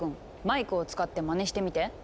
マイクを使ってまねしてみて。